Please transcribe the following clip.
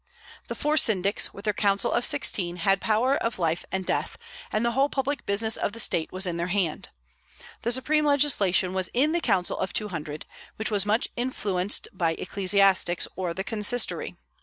The four syndics, with their council of sixteen, had power of life and death, and the whole public business of the state was in their hands. The supreme legislation was in the council of Two Hundred; which was much influenced by ecclesiastics, or the consistory.